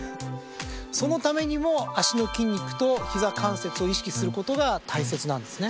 そのためにも脚の筋肉とひざ関節を意識することが大切なんですね。